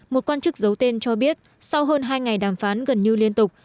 một quan chức giấu tên cho biết sau hơn hai ngày đàm phán gần như liên tục